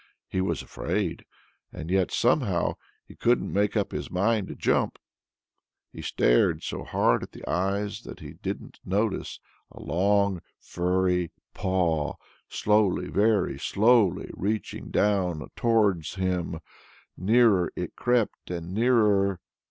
He was afraid, and yet somehow he couldn't make up his mind to jump. He stared so hard at the eyes that he didn't notice a long furry paw slowly, very slowly, reaching down towards him. Nearer it crept and nearer.